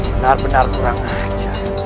benar benar kurang ajar